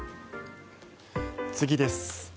次です。